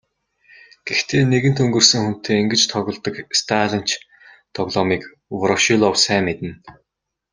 Гэхдээ нэгэнт өнгөрсөн хүнтэй ингэж тоглодог сталинч тоглоомыг Ворошилов сайн мэднэ.